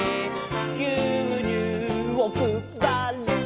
「ぎゅうにゅうをくばる」